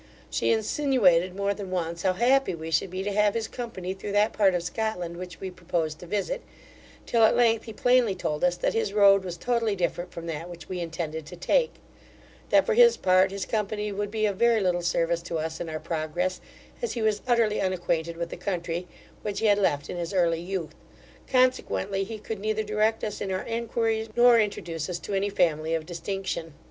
She insinuated more than once how happy we should be to have his company through that part of Scotland which we proposed to visit, till at length he plainly told us, that his road was totally different from that which we intended to take; that, for his part, his company would be of very little service to us in our progress, as he was utterly unacquainted with the country, which he had left in his early youth, consequently, he could neither direct us in our enquiries, nor introduce us to any family of distinction.